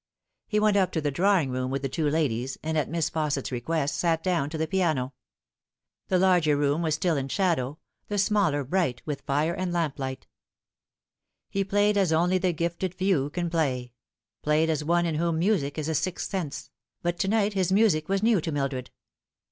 He went up to the drawing room with the two ladies, and * 176 The Fatal Three. at Miss Fausset's request sat down to the piano. The larger room was still in shadow, the smaller bright with fire and lamp light. He played as only the gifted few can play played as one in whom music is a sixth sense, but to night his music was new to Mildred.